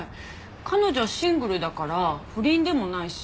彼女シングルだから不倫でもないし。